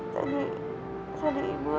tadi tadi ibu ada di jembatan